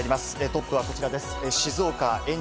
トップはこちらです。